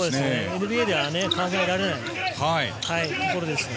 ＮＢＡでは考えられないところです。